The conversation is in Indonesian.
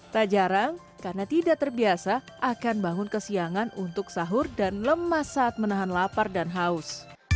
tak jarang karena tidak terbiasa akan bangun kesiangan untuk sahur dan lemas saat menahan lapar dan haus